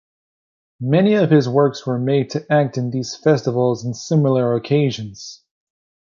Many of his works were made to act in these festivals and similar occasions.